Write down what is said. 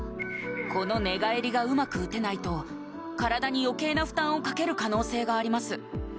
この寝返りがうまく打てないと体に余計な負担をかける可能性があります